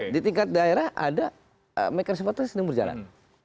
di tingkat daerah ada mekanism partai sedang berjalan